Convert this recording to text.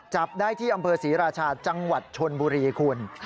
จับได้ที่อำเภอศรีราชาจังหวัดชนบุรีคุณ